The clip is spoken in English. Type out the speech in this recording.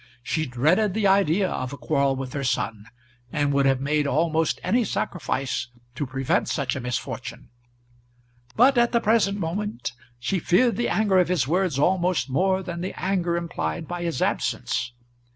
She dreaded the idea of a quarrel with her son, and would have made almost any sacrifice to prevent such a misfortune; but at the present moment she feared the anger of his words almost more than the anger implied by his absence.